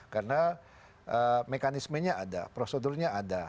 karena mekanismenya ada prosedurnya ada